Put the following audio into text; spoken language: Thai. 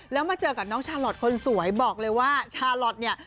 แล้วมาเจอกับน้องชาลอทคนสวยบอกเลยว่าชาลอทเนี่ย